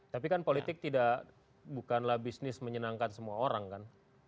tapi kan politik tidak bukanlah bisnis menyenangkan semua orang kan